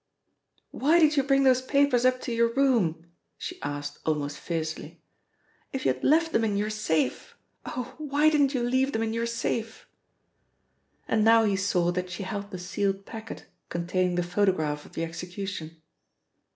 "Why did you bring those papers up to your room?" she asked almost fiercely. "If you had left them in your safe oh, why didn't you leave them in your safe?" And now he saw that she held the sealed packet containing the photograph of the execution.